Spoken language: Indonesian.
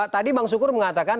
tadi bang sukur mengatakan